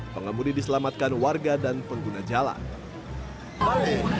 pengemudi diselamatkan warga dan pengguna jalan